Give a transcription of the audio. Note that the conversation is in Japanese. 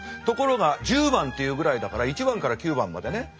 ところが十番っていうぐらいだから一番から九番までね。